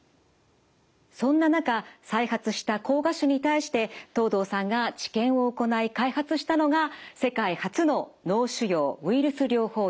そんな中再発した膠芽腫に対して藤堂さんが治験を行い開発したのが世界初の脳腫瘍ウイルス療法薬です。